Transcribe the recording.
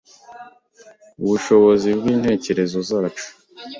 Ubushobozi bw’intekerezo zacu,